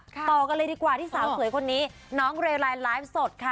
ต่อกันเลยดีกว่าที่สาวสวยคนนี้น้องเรไลน์ไลฟ์สดค่ะ